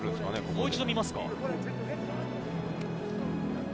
もう一度見ますか。